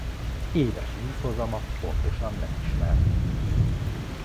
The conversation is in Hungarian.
Éves vízhozama pontosan nem ismert.